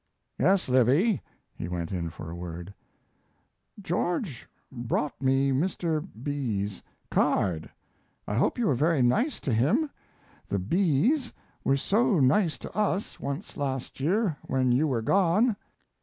"Yes, Livy." He went in for a word. "George brought me Mr. B 's card. I hope you were very nice to him; the B s were so nice to us, once last year, when you were gone."